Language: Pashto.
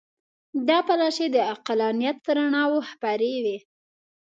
دا پلوشې د عقلانیت پر رڼاوو خپرې وې.